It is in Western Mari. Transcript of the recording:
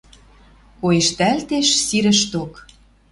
Коэштӓлтеш сирӹшток.